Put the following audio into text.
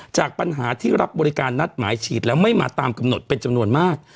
จากปัญหาที่รับบริการนัดหมายฉีดแล้วไม่มาตามกำหนดเป็นจำนวนมาก